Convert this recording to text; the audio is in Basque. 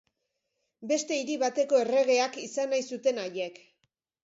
Beste hiri bateko erregeak izan nahi zuten haiek.